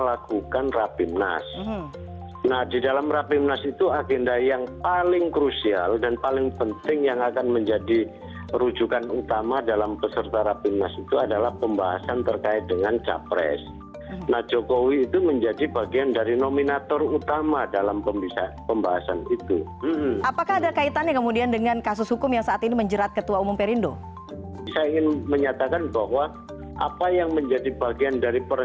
apakah ada kaitannya kemudian dengan kasus hukum yang saat ini menjerat ketua umum partai perindo